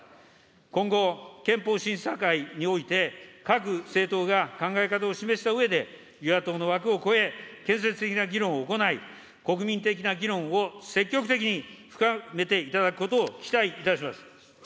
今後、憲法審査会において、各政党が考え方を示したうえで、与野党の枠を超え、建設的な議論を行い、国民的な議論を積極的に深めていただくことを期待いたします。